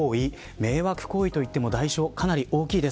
迷惑行為といっても代償かなり大きいです。